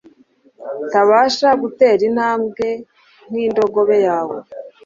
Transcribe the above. tabasha gutera intambwe nk'indogobe yawe?